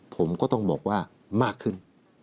ผมก็ต้องบอกว่ามากขึ้น